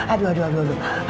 aduh aduh aduh